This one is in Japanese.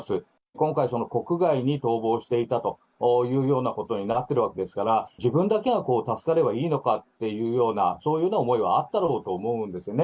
今回、国外に逃亡していたというようなことになってるわけですから、自分だけが助かればいいのかっていうそういうような思いはあったんだろうと思うんですよね。